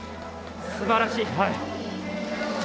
すばらしい！